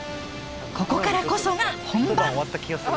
ここからこそが本番！